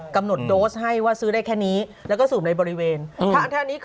โดสให้ว่าซื้อได้แค่นี้แล้วก็สูบในบริเวณ